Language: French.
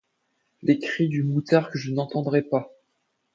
Les cris du moutard que je n’entendrai pas.